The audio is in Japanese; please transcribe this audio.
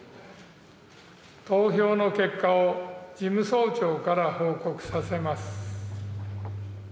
投票の結果を事務総長から報告させます。